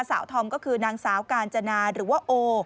ธอมก็คือนางสาวกาญจนาหรือว่าโอ